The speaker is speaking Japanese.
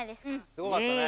すごかったね。